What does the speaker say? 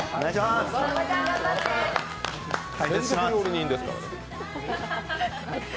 専属料理人ですからね。